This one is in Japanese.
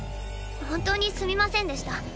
本当にすみませんでした。